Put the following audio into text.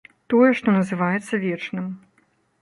Тое, што называецца вечным.